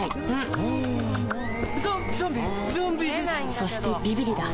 そしてビビリだ